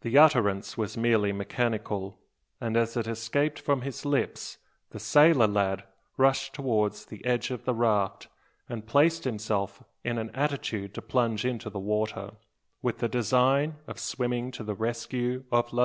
The utterance was merely mechanical; and as it escaped from his lips, the sailor lad rushed towards the edge of the raft, and placed himself in an attitude to plunge into the water, with the design of swimming to the rescue of Lalee.